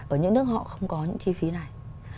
ở những nước họ không có những chi phí này